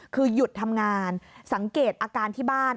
คือหยุดทำงานสังเกตอาการที่บ้าน